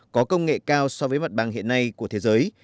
có công nghệ cao so với mặt bằng hiện nay của thế giới